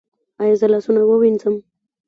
ایا زه لاسونه ووینځم؟